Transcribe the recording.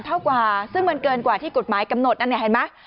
เท่ากว่าซึ่งมันเกินกว่าที่กฎหมายกำหนดนั่นเนี่ยเห็นไหม